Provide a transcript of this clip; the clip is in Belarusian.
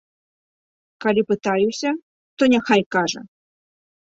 Калі пытаюся, то няхай кажа!